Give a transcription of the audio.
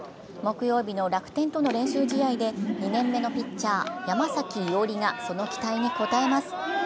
木曜日の楽天との練習試合で２年目のピッチャー・山崎伊織がその期待に応えます。